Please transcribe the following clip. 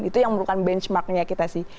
itu yang merupakan benchmarknya kita sih